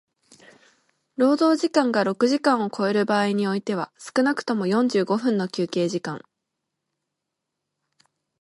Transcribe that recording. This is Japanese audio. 労働時間が六時間を超える場合においては少くとも四十五分の休憩時間